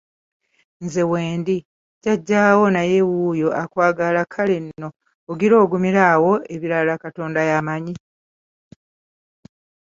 Nze wendi, Jjajjaawo naye wuuyo akwagala kale nno ogira ogumira awo ebirala Katonda y'amanyi.